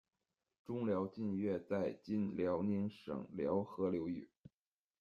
中辽郡越在今辽宁省辽河流域。